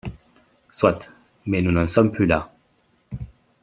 Soit ! Mais nous n’en sommes plus là.